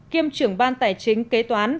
kiêm trưởng ban tài chính kế toán